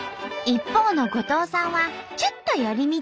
一方の後藤さんはちょっと寄り道。